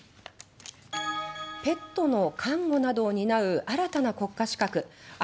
ペットの看護などを担う新たな国家資格愛玩